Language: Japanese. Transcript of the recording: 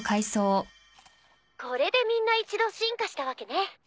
これでみんな一度進化したわけね